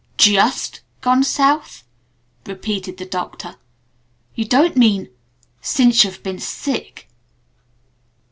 "Just gone south?" repeated the Doctor. "You don't mean since you've been sick?"